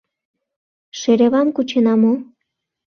— Шеревам кучена мо?